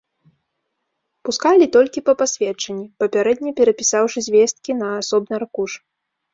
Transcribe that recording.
Пускалі толькі па пасведчанні, папярэдне перапісаўшы звесткі на асобны аркуш.